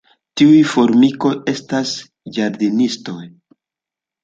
Tiuj formikoj estas ĝardenistoj.